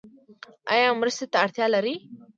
ایا مرستې ته اړتیا لرئ؟